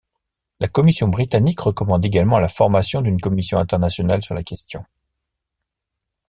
La commission britannique recommande également la formation d'une commission internationale sur la question.